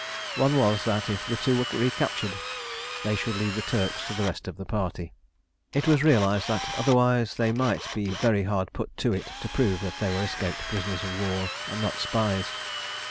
One was that if the two were recaptured they should lead the Turks to the rest of the party; it was realised that otherwise they might be very hard put to it to prove that they were escaped prisoners of war and not spies.